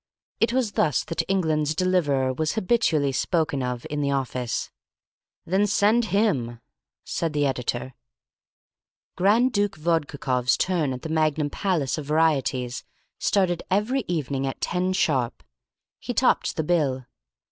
(It was thus that England's deliverer was habitually spoken of in the office.) "Then send him," said the editor. Grand Duke Vodkakoff's turn at the Magnum Palace of Varieties started every evening at ten sharp. He topped the bill.